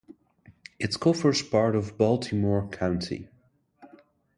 It covers part of Baltimore County.